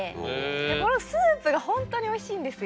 このスープがホントにおいしいんですよ。